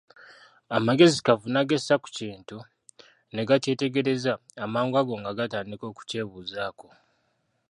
Amagezi kavuna gessa ku kintu, ne gakyetegereza, amangu ago nga gatandika okukyebuuzaako.